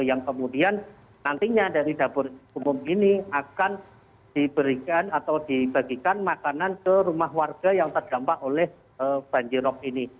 yang kemudian nantinya dari dapur umum ini akan diberikan atau dibagikan makanan ke rumah warga yang terdampak oleh banjirop ini